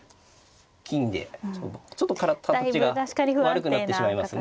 ちょっと形が悪くなってしまいますね。